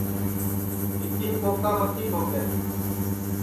بھِیتِیم کوکا متی ٹھوکے